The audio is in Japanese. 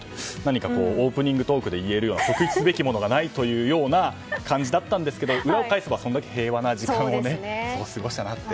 オープニングトークにできるような特出するようなことはないというような感じだったんですけど裏を返せばそれだけ平和な時間を過ごしたなと。